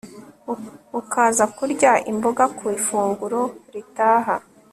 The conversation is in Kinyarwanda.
ukaza kurya imboga ku ifunguro ritaha